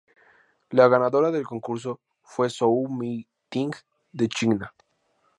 La ganadora del concurso fue Zhou Mei Ting de China.